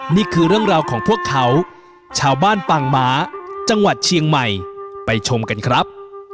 นี่คือเรื่องราวของพวกเขาชาวบ้านปางม้าจังหวัดเชียงใหม่ไปชมกันครับ